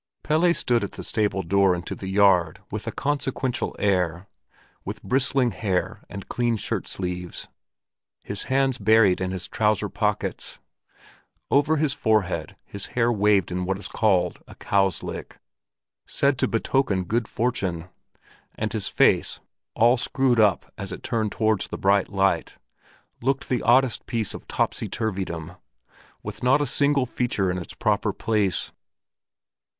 Pelle stood at the stable door into the yard with a consequential air, with bristling hair and clean shirt sleeves, his hands buried in his trouser pockets. Over his forehead his hair waved in what is called a "cow's lick," said to betoken good fortune; and his face, all screwed up as it turned towards the bright light, looked the oddest piece of topsy turvydom, with not a single feature in its proper place.